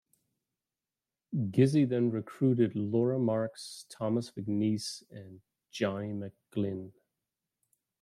Gizzi then recruited Laura Marks, Thomas McNeice and Johnny McGlynn.